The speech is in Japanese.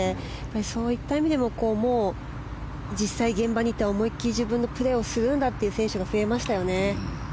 そういった意味でももう実際現場に行って思い切り自分のプレーをするんだという選手が増えましたよね。